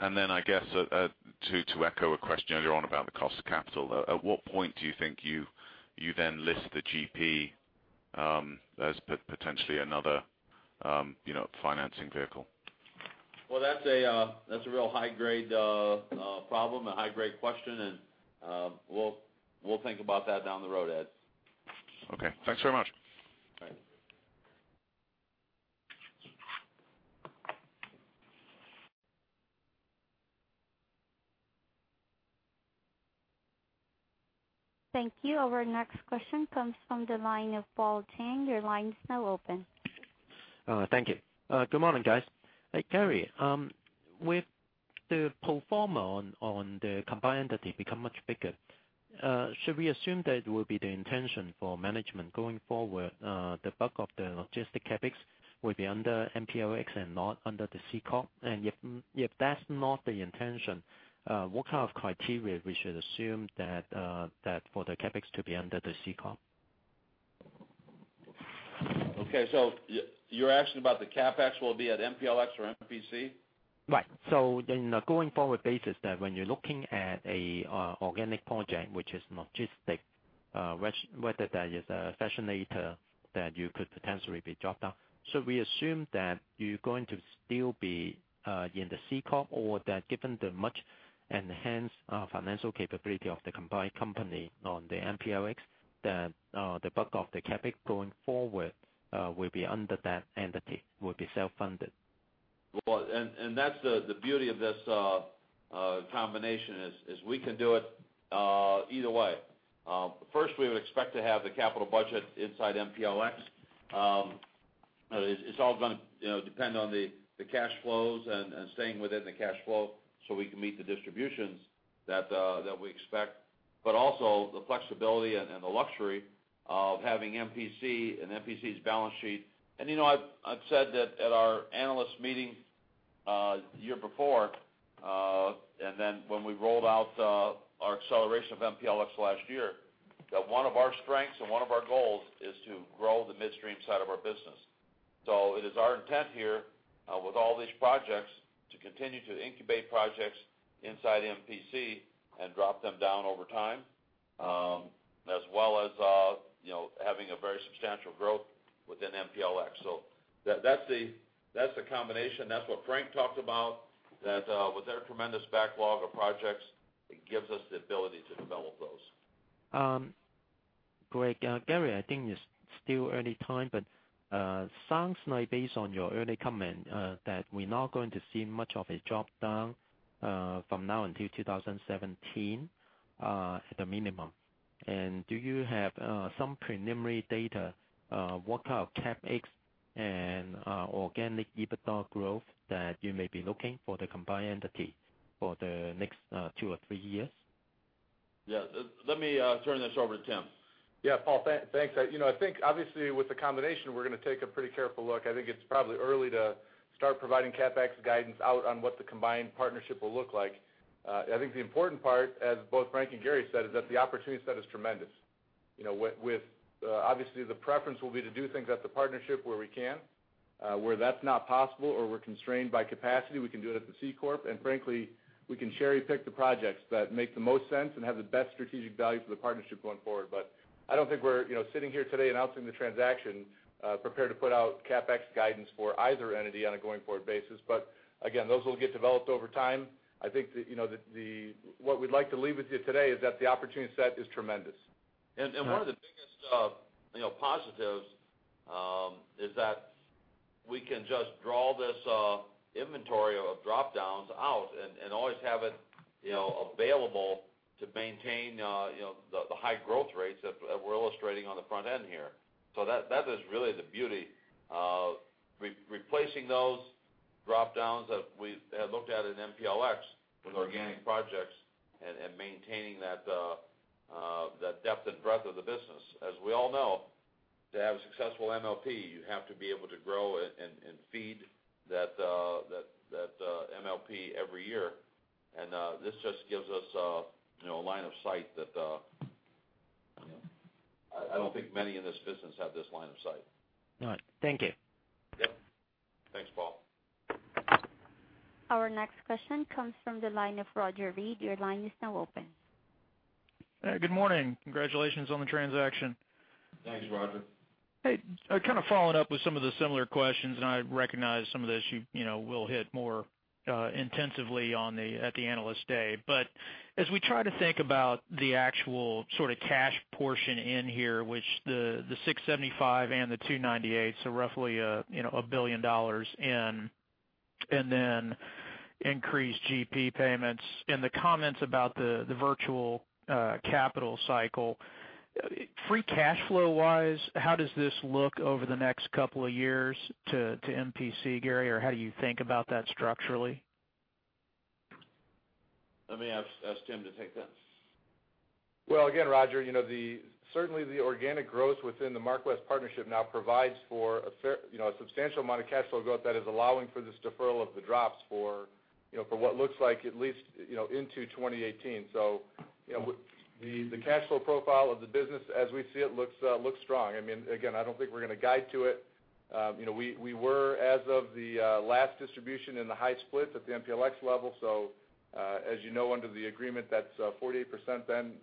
I guess, to echo a question earlier on about the cost of capital, at what point do you think you then list the GP as potentially another financing vehicle? Well, that's a real high-grade problem, a high-grade question, and we'll think about that down the road, Ed. Okay. Thanks very much. Okay. Thank you. Our next question comes from the line of Paul Chang. Your line is now open. Thank you. Good morning, guys. Gary, with the pro forma on the combined entity become much bigger, should we assume that it will be the intention for management going forward, the bulk of the logistic CapEx will be under MPLX and not under the C corp? If that's not the intention, what kind of criteria we should assume that for the CapEx to be under the C corp? Okay, you're asking about the CapEx will be at MPLX or MPC? Right. In a going-forward basis, when you're looking at an organic project which is logistics, whether that is a fractionator that you could potentially be dropped down, should we assume that you're going to still be in the C corp or that given the much enhanced financial capability of the combined company on the MPLX, that the bulk of the CapEx going forward will be under that entity, will be self-funded? Well, that's the beauty of this combination, is we can do it either way. First, we would expect to have the capital budget inside MPLX. It's all going to depend on the cash flows and staying within the cash flows so we can meet the distributions that we expect, also the flexibility and the luxury of having MPC and MPC's balance sheet. I've said that at our analyst meeting the year before, when we rolled out our acceleration of MPLX last year, that one of our strengths and one of our goals is to grow the midstream side of our business. It is our intent here with all these projects to continue to incubate projects inside MPC and drop them down over time, as well as having a very substantial growth within MPLX. That's the combination. That's what Frank talked about, that with their tremendous backlog of projects, it gives us the ability to develop those. Great. Gary, sounds like based on your early comment, that we're not going to see much of a drop down from now until 2017 at a minimum. Do you have some preliminary data, what kind of CapEx and organic EBITDA growth that you may be looking for the combined entity for the next two or three years? Let me turn this over to Tim. Paul. Thanks. I think obviously with the combination, we're going to take a pretty careful look. I think it's probably early to start providing CapEx guidance out on what the combined partnership will look like. I think the important part, as both Frank and Gary said, is that the opportunity set is tremendous. Obviously, the preference will be to do things at the partnership where we can. Where that's not possible or we're constrained by capacity, we can do it at the C corp. Frankly, we can cherry-pick the projects that make the most sense and have the best strategic value for the partnership going forward. I don't think we're sitting here today announcing the transaction prepared to put out CapEx guidance for either entity on a going-forward basis. Again, those will get developed over time. I think what we'd like to leave with you today is that the opportunity set is tremendous. One of the biggest positives is that we can just draw this inventory of drop-downs out and always have it available to maintain the high growth rates that we're illustrating on the front end here. That is really the beauty of replacing those drop-downs that we had looked at in MPLX with organic projects and maintaining that depth and breadth of the business. As we all know, to have a successful MLP, you have to be able to grow and feed that MLP every year. This just gives us a line of sight that I don't think many in this business have this line of sight. All right. Thank you. Yep. Thanks, Paul. Our next question comes from the line of Roger Reed. Your line is now open. Good morning. Congratulations on the transaction. Thanks, Roger. Hey, kind of following up with some of the similar questions. I recognize some of this you will hit more intensively at the Analyst Day. As we try to think about the actual sort of cash portion in here, which the $675 and the $298, roughly $1 billion in, then increased GP payments and the comments about the virtual capital cycle. Free cash flow-wise, how does this look over the next couple of years to MPC, Gary, or how do you think about that structurally? Let me ask Tim to take this. Again, Roger, certainly the organic growth within the MarkWest partnership now provides for a substantial amount of cash flow growth that is allowing for this deferral of the drops for what looks like at least into 2018. The cash flow profile of the business as we see it looks strong. Again, I don't think we're going to guide to it. We were as of the last distribution in the high splits at the MPLX level, so, as you know, under the agreement, that's 48%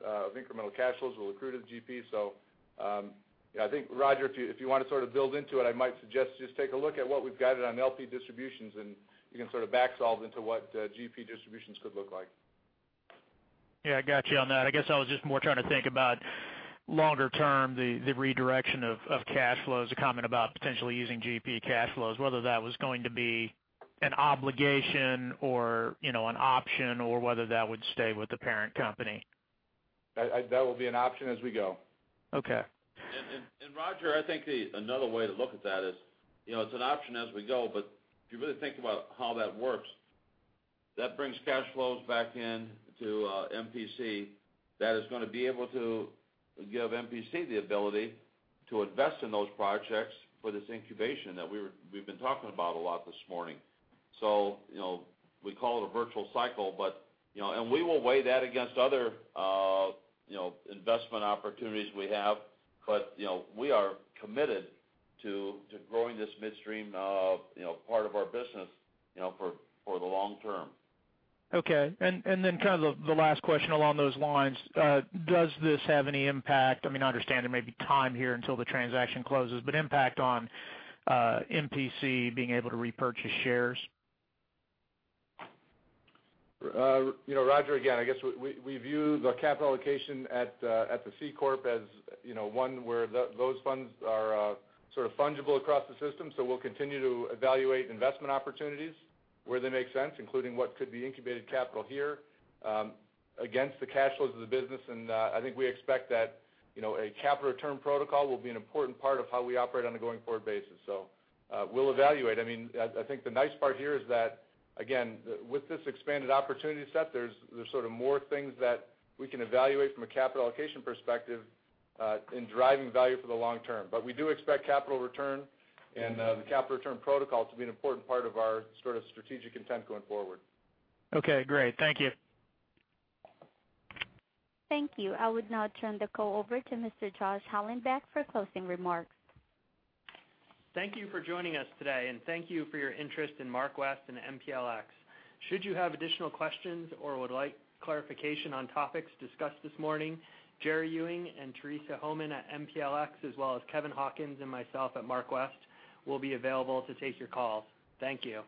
of incremental cash flows will accrue to the GP. I think, Roger, if you want to sort of build into it, I might suggest just take a look at what we've guided on LP distributions, and you can sort of back solve into what GP distributions could look like. I got you on that. I guess I was just more trying to think about longer term, the redirection of cash flows, the comment about potentially using GP cash flows, whether that was going to be an obligation or an option or whether that would stay with the parent company. That will be an option as we go. Okay. Roger, I think another way to look at that is, it's an option as we go, if you really think about how that works, that brings cash flows back in to MPC. That is going to be able to give MPC the ability to invest in those projects for this incubation that we've been talking about a lot this morning. We call it a virtual cycle, and we will weigh that against other investment opportunities we have, we are committed to growing this midstream part of our business for the long term. Okay. Kind of the last question along those lines, does this have any impact, I understand there may be time here until the transaction closes, impact on MPC being able to repurchase shares? Roger, again, I guess we view the capital allocation at the C corp as one where those funds are sort of fungible across the system. We'll continue to evaluate investment opportunities where they make sense, including what could be incubated capital here against the cash flows of the business. I think we expect that a capital return protocol will be an important part of how we operate on a going-forward basis. We'll evaluate. I think the nice part here is that, again, with this expanded opportunity set, there's sort of more things that we can evaluate from a capital allocation perspective in driving value for the long term. We do expect capital return and the capital return protocol to be an important part of our sort of strategic intent going forward. Okay, great. Thank you. Thank you. I would now turn the call over to Mr. Joshua Hallenbeck for closing remarks. Thank you for joining us today, and thank you for your interest in MarkWest and MPLX. Should you have additional questions or would like clarification on topics discussed this morning, Geri Ewing and Teresa Homan at MPLX, as well as Kevin Hawkins and myself at MarkWest, will be available to take your call. Thank you.